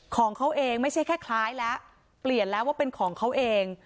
ของเขาเองไม่ใช่แค่คล้ายแล้วเปลี่ยนแล้วว่าเป็นของเขาเอง